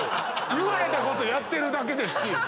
言われたことやってるだけですし。